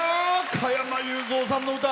加山雄三さんの歌。